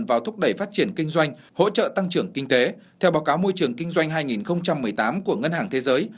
vào thúc đẩy phát triển kinh doanh hỗ trợ tăng trưởng kinh tế theo báo cáo môi trường kinh doanh hai nghìn một mươi tám của ngân hàng thế giới